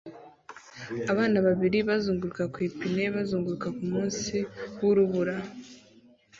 Abana babiri bazunguruka ku ipine bazunguruka kumunsi wurubura